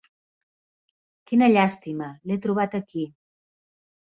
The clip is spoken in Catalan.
Quina llàstima, l'he trobat aquí.